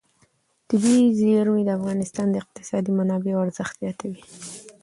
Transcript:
طبیعي زیرمې د افغانستان د اقتصادي منابعو ارزښت زیاتوي.